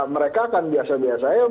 mereka kan biasa biasa